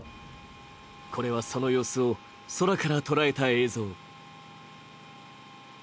これはその様子を空から捉えた映像。